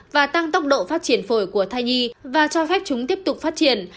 và tăng tốc độ phát triển phổi của thai nhi và cho phép chúng tiếp tục phát triển